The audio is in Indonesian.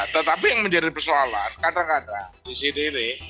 tetapi yang menjadi persoalan kadang kadang di sini